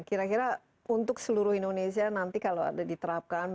kira kira untuk seluruh indonesia nanti kalau ada diterapkan